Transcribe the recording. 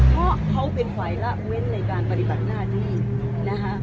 เพราะเขาเป็นฝ่ายละเว้นในการปฏิบัติหน้าที่นะคะ